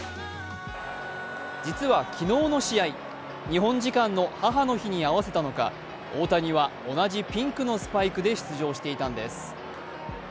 実は昨日の試合、日本時間の母の日に合わせたのか大谷は同じピンクのスパイクで出場していたんです。